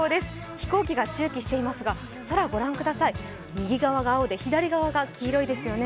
飛行機が駐機していますが空を御覧ください、右側が青で左側が黄色いですよね。